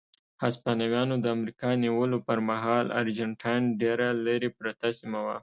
هسپانویانو د امریکا نیولو پر مهال ارجنټاین ډېره لرې پرته سیمه وه.